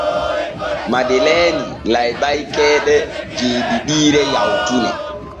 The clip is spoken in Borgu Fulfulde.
Madeleeni layɓay keeɗe jeeɗiɗiire yawtune.